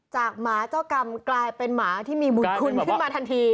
หมาเจ้ากรรมกลายเป็นหมาที่มีบุญคุณขึ้นมาทันที